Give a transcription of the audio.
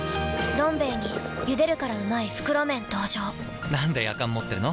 「どん兵衛」に「ゆでるからうまい！袋麺」登場なんでやかん持ってるの？